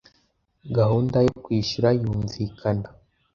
gahunda yo kwishyura yumvikana